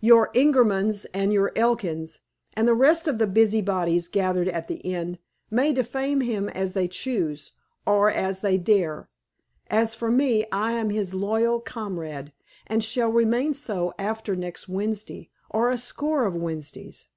Your Ingermans and your Elkins, and the rest of the busybodies gathered at the inn, may defame him as they choose, or as they dare. As for me, I am his loyal comrade, and shall remain so after next Wednesday, or a score of Wednesdays.